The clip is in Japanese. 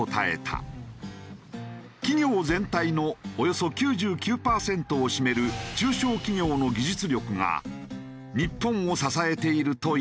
企業全体のおよそ９９パーセントを占める中小企業の技術力が日本を支えているといわれている。